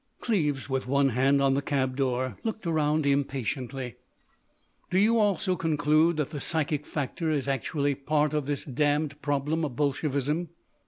Cleves, with one hand on the cab door, looked around impatiently. "Do you, also, conclude that the psychic factor is actually part of this damned problem of Bolshevism?"